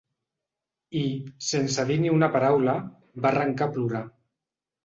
I, sense dir ni una paraula, va arrencar a plorar.